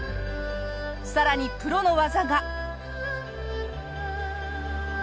さらにプロの技が。